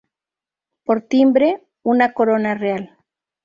Por timbre, una corona real.